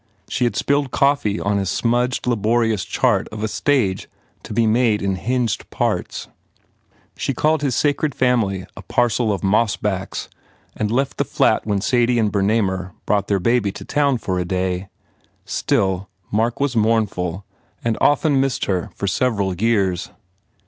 She had spilled coffee on his smudged, laborious chart of a stage to be made in hinged parts. She called his sacred family a parcel of mossbacks and left the flat when Sadie and Bernamer brought their baby to town for a day. Still, Mark was mourn ful and often missed her for several years.